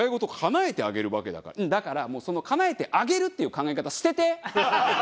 だからもう「かなえてあげる」っていう考え方捨てて。